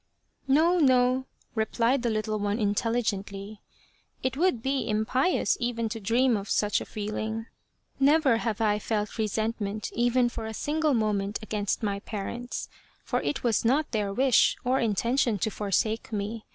" No, no," replied the little one intelligently, " it would be impious even to dream of such a feeling. Never have I felt resentment even for a single moment against my parents, for it was not their wish or in tention to forsake me.